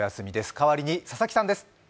代わりに佐々木さんです。